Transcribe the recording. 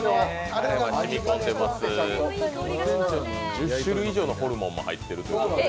１０種類以上のホルモンが入っているということで。